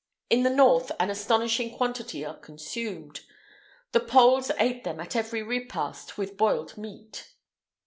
In the north an astonishing quantity are consumed. The Poles ate them at every repast with boiled meat.